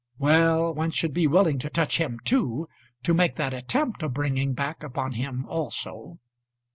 Well, one should be willing to touch him too, to make that attempt of bringing back upon him also.